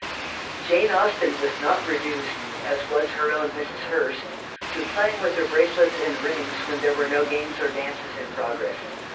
Jane Austen was not reduced, as was her own Mrs. Hurst, to playing with her bracelets and rings when there were no games or dances in progress.